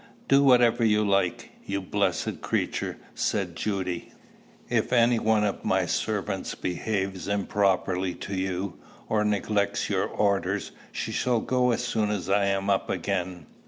"Do whatever you like, you blessed creature," said Judy. "If any one of my servants behaves improperly to you, or neglects your orders, she shall go as soon as I am up again."